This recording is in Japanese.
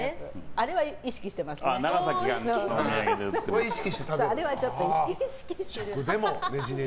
あれは意識してますね。